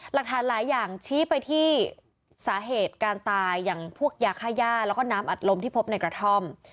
หลักฐานหลายอย่างชี้ไปที่สาเหตุการตายอย่างพวกยาค่าย่าแล้วก็น้ำอัดลมที่พบในกระท่อม